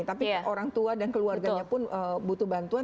tapi orang tua dan keluarganya pun butuh bantuan